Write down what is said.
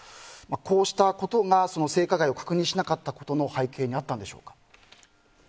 こうしたことが性加害を確認しなかったことの背景にあったんでしょうか。